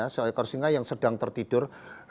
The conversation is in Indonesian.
seekor singa yang sedang tertidur